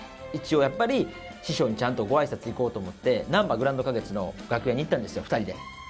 一応やっぱり師匠にちゃんと御挨拶行こうと思ってなんばグランド花月の楽屋に行ったんですよ２人で。